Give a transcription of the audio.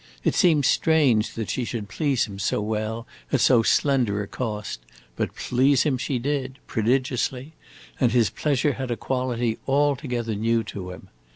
It seemed strange that she should please him so well at so slender a cost, but please him she did, prodigiously, and his pleasure had a quality altogether new to him.